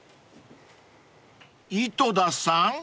［井戸田さん？］